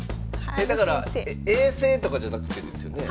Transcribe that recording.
だから永世とかじゃなくてですよね？